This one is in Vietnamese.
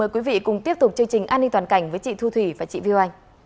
quý vị cùng tiếp tục chương trình an ninh toàn cảnh với chị thu thủy và chị viu anh